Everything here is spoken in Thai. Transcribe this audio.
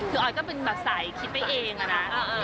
คือออยก็เป็นแบบสายคิดไปเองอะนะ